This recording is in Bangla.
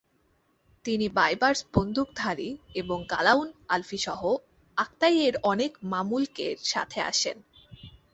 তিনি বাইবার্স বুন্দুকদারি এবং কালাউন আলফিসহ আকতাইয়ের অনেক মামলুকের সাথে আসেন।